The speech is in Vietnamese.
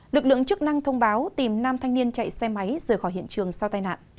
lực lượng chức năng thông báo tìm nam thanh niên chạy xe máy rời khỏi hiện trường sau tai nạn